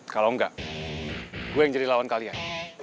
kalau enggak gue yang jadi lawan kalian